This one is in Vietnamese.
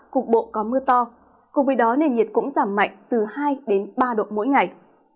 cục bộ có mưa to cùng với đó nền nhiệt cũng giảm mạnh từ hai đến ba độ mỗi ngày